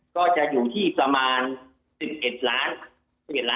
ก็จะอยู่ที่ประมาณ๑๑ล้าน